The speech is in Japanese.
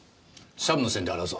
シャブの線で洗うぞ。